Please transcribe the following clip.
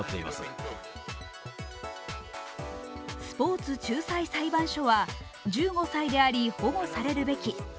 スポーツ仲裁裁判所は１５歳であり、保護されるべき。